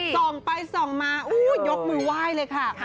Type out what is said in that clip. ส่องไปส่องมายกมือไหว้เลยค่ะ